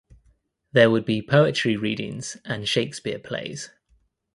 There would be poetry readings and Shakespeare plays.